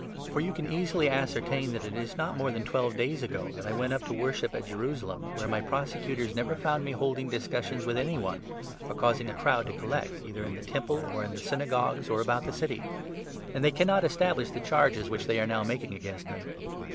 For you can easily ascertain that it is not more 1 1 than twelve days ago that I went up to worship at Jerusalem, where my prosecutors never found me holding discussions with 12 any one, or causing a crowd to collect — either in the Temple, or in the Synagogues, or about the city ; and they cannot establish 13 the charges which they are now making against me.